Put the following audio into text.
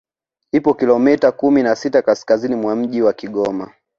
Ipo kilomita kumi na sita kaskazini mwa mji wa Kigoma